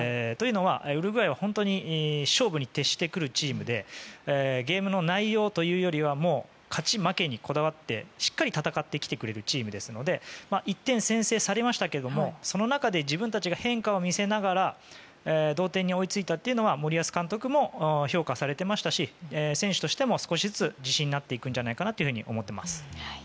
ウルグアイは本当に勝負に徹してくるチームでゲームの内容というよりは勝ち負けにこだわってしっかり戦ってきてくれるチームですので１点先制されましたが、その中で自分たちが変化を見せながら同点に追いついたというのは森保監督も評価されていましたし選手としても、少しずつ自信になっていくんじゃないかと思っています。